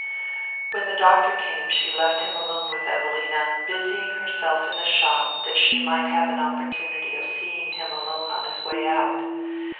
When the doctor came she left him alone with Evelina, busying herself in the shop that she might have an opportunity of seeing him alone on his way out.